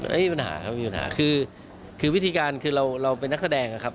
ไม่มีปัญหาครับมีปัญหาคือวิธีการคือเราเป็นนักแสดงนะครับ